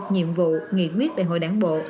nhiệm vụ nghị quyết đại hội đảng bộ